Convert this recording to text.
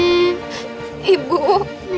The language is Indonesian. aduh ibu randi